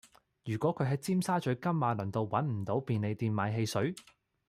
如果佢喺尖沙咀金馬倫道搵唔到便利店買汽水